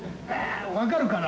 分かるかな？